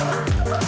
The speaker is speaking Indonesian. tidak ini berapa